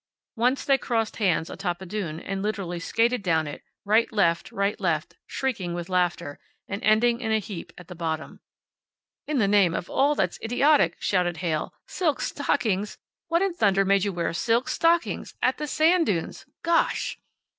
Once they crossed hands atop a dune and literally skated down it, right, left, right, left, shrieking with laughter, and ending in a heap at the bottom. "In the name of all that's idiotic!" shouted Heyl. "Silk stockings! What in thunder made you wear silk stockings! At the sand dunes! Gosh!"